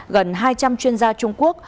gần hai trăm linh chuyên gia trung quốc